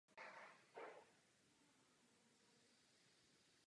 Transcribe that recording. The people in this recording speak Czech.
Jan Čech vybudoval po sametové revoluci úspěšnou stavební firmu.